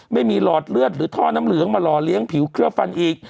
หลอดเลือดหรือท่อน้ำเหลืองมาหล่อเลี้ยงผิวเคลือบฟันอีก